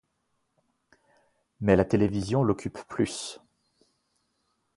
Mais la télévision l'occupe plus.